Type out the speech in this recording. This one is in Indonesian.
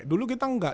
dulu kita enggak